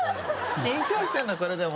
緊張してんのこれでも。